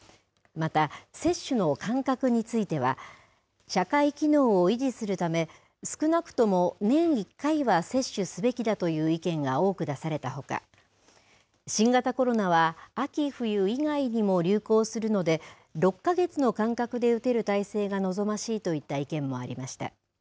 また接種の間隔については、社会機能を維持するため、少なくとも年１回は接種すべきだという意見が多く出されたほか、新型コロナは秋冬以外にも流行するので、６か月の間隔で打てる体制が望ましいといった意見もありました。